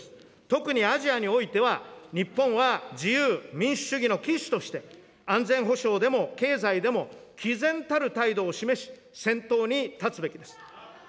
特にアジアにおいては、日本は自由・民主主義の旗手として、安全保障でも経済でもき然たる態度を示し、先頭に立つべきです。